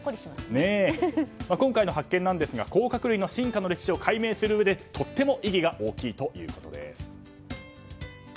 今回の発見ですが甲殻類の進化の歴史を解明するうえで、とても意義が大きいということです。